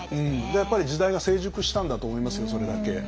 やっぱり時代が成熟したんだと思いますよそれだけ。